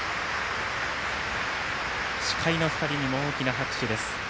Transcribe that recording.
司会の２人にも大きな拍手です。